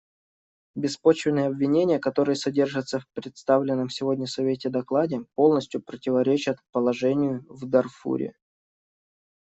Беспочвенные обвинения, которые содержатся в представленном сегодня Совету докладе, полностью противоречат положению в Дарфуре.